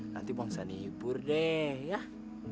nanti bangsa nih hibur deh yah